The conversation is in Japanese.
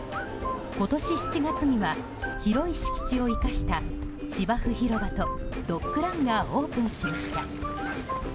今年７月には広い敷地を生かした芝生広場とドッグランがオープンしました。